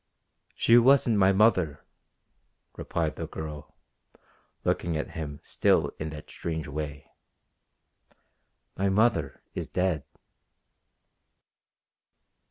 "She wasn't my mother," replied the girl, looking at him still in that strange way. "My mother is dead."